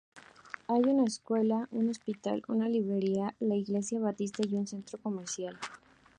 Hay una escuela, un hospital, una librería, la iglesia Batista y un centro comercial.